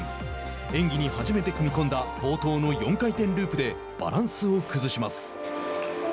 演技に初めて組み込んだ冒頭の４回転ループでバランスを崩します。